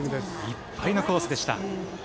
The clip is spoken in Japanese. いっぱいのコースでした。